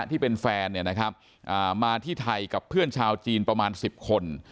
ที่เป็นแฟนเนี้ยนะครับอ่ามาที่ไทยกับเพื่อนชาวจีนประมาณสิบคน